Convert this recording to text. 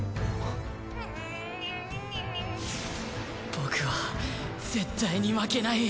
僕は絶対に負けない。